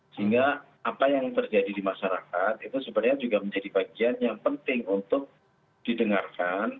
sehingga apa yang terjadi di masyarakat itu sebenarnya juga menjadi bagian yang penting untuk didengarkan